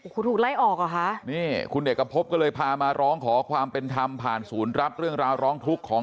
คุณเดชน์กะพบก็เลยพามาร้องขอความเป็นทรัมพ์ผ่านศูนย์รับเรื่องราวร้องทุกของ